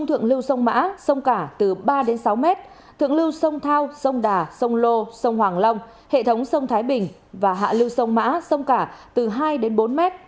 thượng lưu sông mã sông cả từ ba đến sáu mét thượng lưu sông thao sông đà sông lô sông hoàng long hệ thống sông thái bình và hạ lưu sông mã sông cả từ hai đến bốn m